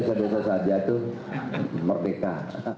desa desa saja itu merdeka